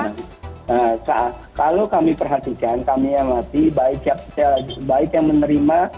nah kalau kami perhatikan kami yang ngerti baik yang menerima